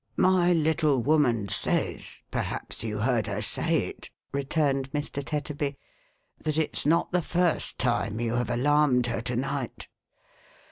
" My little woman says — perhaps you heard her say it," returned Mr. Tetterby, " that it's not the first time you have alarmed her to night."